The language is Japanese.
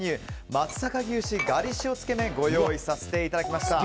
松阪牛脂がり塩つけ麺ご用意させていただきました。